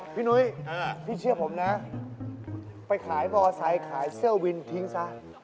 นุ้ยพี่เชื่อผมนะไปขายมอไซค์ขายเสื้อวินทิ้งซะ